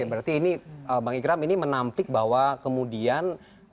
berarti ini bang igram ini menampik bahwa kemudian